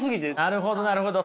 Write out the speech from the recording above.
なるほどなるほど。